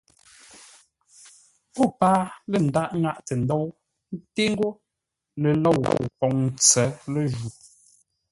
O páa lə́ ńdághʼ ŋáʼtə ńdóu, ńté ńgó ləlôu poŋ ntsə̌ lə́ju.